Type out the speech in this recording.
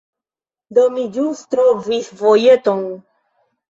Do, mi ĵus trovis vojeton